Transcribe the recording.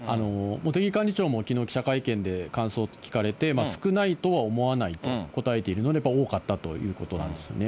茂木幹事長もきのう記者会見で感想を聞かれて、少ないとは思わないと答えているので、やっぱり多かったということなんですよね。